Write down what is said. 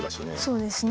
そうですね。